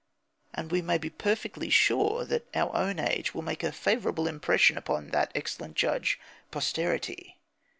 And we may be perfectly sure that our own age will make a favourable impression upon that excellent judge, posterity.